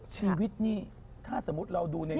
ชีวิตนี้ถ้าสมมุติเราดูหนังละคร